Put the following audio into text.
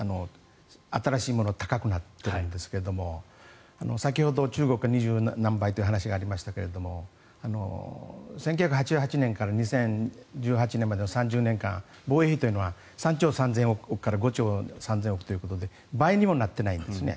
例えば、戦闘機とか倍々ゲームで新しいものは高くなっているんですが先ほど中国は２０何倍という話がありましたが１９９８年から２０１８年までの３０年間防衛費は３兆３０００億円から５兆３０００億円ということで倍にもなっていないんですね。